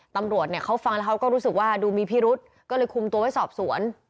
ตำรวจเนี่ยเขาฟังแล้วเขาก็รู้สึกว่าดูมีพิรุษก็เลยคุมตัวไว้สอบสวน